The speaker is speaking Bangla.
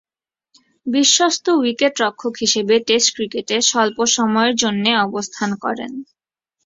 বিশ্বস্ত উইকেট-রক্ষক হিসেবে টেস্ট ক্রিকেটে স্বল্প সময়ের জন্যে অবস্থান করেন।